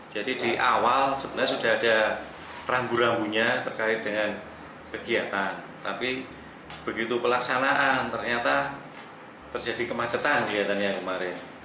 jadi di awal sebenarnya sudah ada rambu rambunya terkait dengan kegiatan tapi begitu pelaksanaan ternyata terjadi kemacetan dilihatan yang kemarin